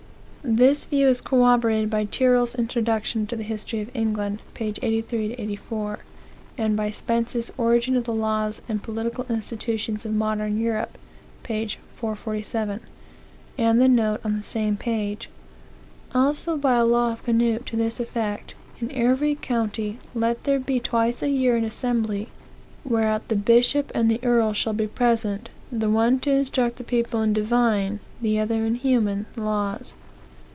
This view is corroborated by Tyrrell's Introduction to the History of England; p. 83 84, and by Spence's Origin of the Laws and Political Institutions of Modern Europe, p. 447, and the note on the same page. Also by a law of Canute to this effect, In every county let there be twice a year an assembly, whereat the bishop and the earl shall be present, the one to instruct the people in divine, the other in human, laws.